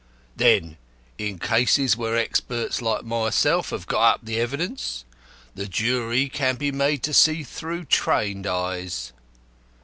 Then, in cases where experts like myself have got up the evidence, the jury can be made to see through trained eyes."